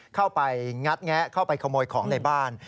เข้าไปงัดแงะเข้าไปขโมยของในบ้าน